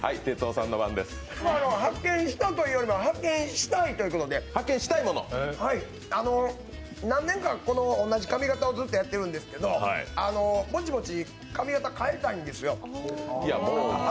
発見したというよりも発見したいということで、何年かこの同じ髪形をやってるんですけれどぼちぼち髪形、変えたいんですよ。